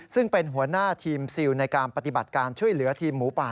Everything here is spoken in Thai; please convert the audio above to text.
ซึ่งเป็นหัวหน้าทีมซิลในการปฏิบัติการช่วยเหลือทีมหมูป่า